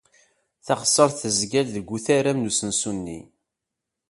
Taɣsert tezga-d deg utaram n usensu-nni.